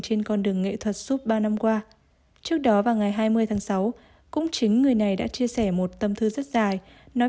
bên dưới bình luận này là câu trả lời